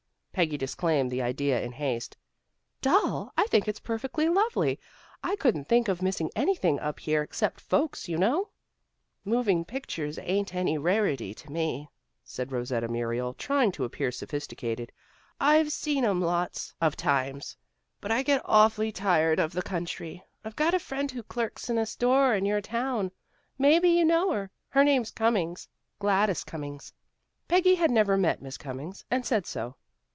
Peggy disclaimed the idea in haste. "Dull! I think it's perfectly lovely. I couldn't think of missing anything up here, except folks, you know." "Moving pictures ain't any rarity to me," said Rosetta Muriel, trying to appear sophisticated. "I've seen 'em lots of times. But I get awfully tired of the country. I've got a friend who clerks in a store in your town. Maybe you know her. Her name's Cummings, Gladys Cummings." Peggy had never met Miss Cummings, and said so.